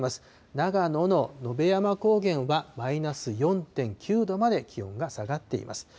長野の野辺山高原はマイナス４．９度まで気温が下がっています。